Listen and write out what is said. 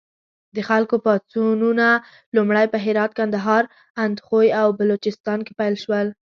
د خلکو پاڅونونه لومړی په هرات، کندهار، اندخوی او بلوچستان کې پیل شول.